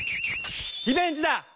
リベンジだ！